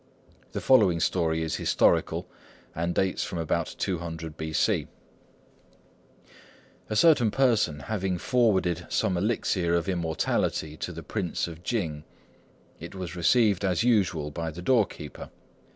The following story is historical, and dates from about 200 B.C.:— "A certain person having forwarded some elixir of immortality to the Prince of Ching, it was received as usual by the doorkeeper.